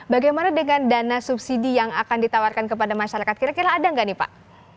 bagaimana dengan dana subsidi yang akan ditawarkan kepada masyarakat kira kira ada nggak nih pak